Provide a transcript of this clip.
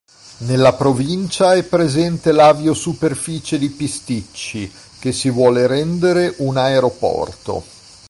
Nella provincia è presente l'Aviosuperficie di Pisticci, che si vuole rendere un aeroporto.